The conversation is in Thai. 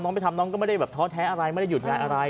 น้องไปทำแล้วไม่ได้ท้อแท้อะไรไม่ได้หยุดงานอะไร